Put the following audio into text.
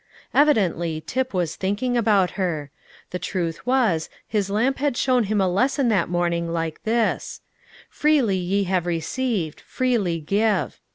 Evidently Tip was thinking about her. The truth was, his lamp had shown him a lesson that morning like this: "Freely ye have received, freely give."